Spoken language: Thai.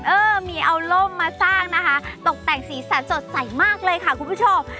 เออมีเอาร่มมาสร้างนะคะตกแต่งสีสันสดใสมากเลยค่ะคุณผู้ชม